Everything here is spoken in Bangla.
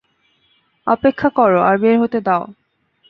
অপেক্ষা করো আর বের হতে দাও।